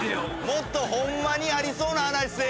もっとホンマにありそうな話せえよ。